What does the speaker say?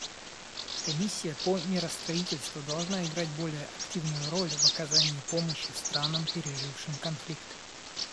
Комиссия по миростроительству должна играть более активную роль в оказании помощи странам, пережившим конфликт.